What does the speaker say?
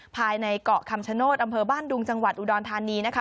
ภายในเกาะคำชโนธอำเภอบ้านดุงจังหวัดอุดรธานีนะคะ